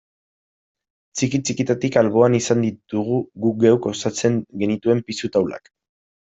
Txiki-txikitatik alboan izan ditugu guk geuk osatzen genituen pisu taulak.